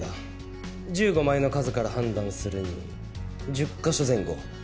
１５枚の数から判断するに１０カ所前後。